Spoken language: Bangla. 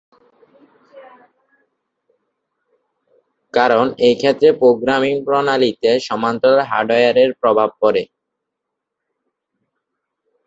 কারণ এক্ষেত্রে প্রোগ্রামিং প্রণালীতে সমান্তরাল হার্ডওয়্যারের প্রভাব পড়ে।